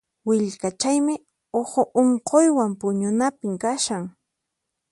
Willkachaymi uhu unquywan puñunapim kashan.